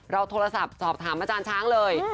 โทรศัพท์สอบถามอาจารย์ช้างเลย